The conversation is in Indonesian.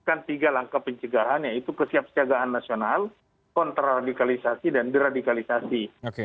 ada tiga langkah pencegahan yaitu kesiapsiagaan nasional kontraradikalisasi dan deradikalisasi